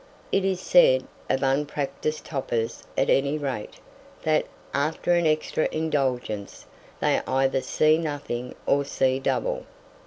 It is said, of unpractised topers at any rate, that, after an extra indulgence, they either see nothing or see double.